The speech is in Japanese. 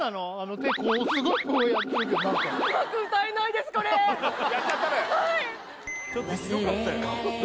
手こうすごいこうやってるけど何かやっちゃったねはいちょっとひどかったよ